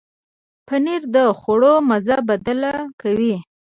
پنېر د خواړو مزه بدله کوي.